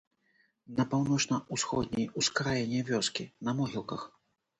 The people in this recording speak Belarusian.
На паўночна-ўсходняй ускраіне вёскі, на могілках.